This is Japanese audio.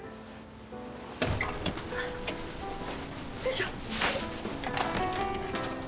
よいしょ。